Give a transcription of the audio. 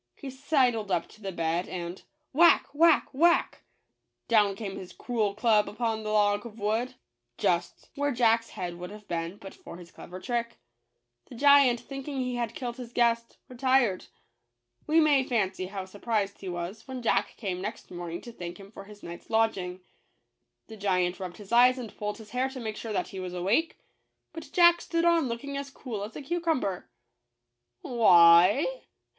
He sidled up to the bed and —" Whack !— Whack !— Whack !"— down came his cruel club upon the log of wood, just where Jack's head would have JACK THE GIANT KILLER. been but for his clever trick. The giant, thinking he had killed his guest, retired. We may fancy how surprised he was when Jack came next morning to thank him for his night's lodging. The giant rubbed his eyes and pulled his hair to make sure that he was awake; but Jack stood looking on as cool as a cucumber. "Why?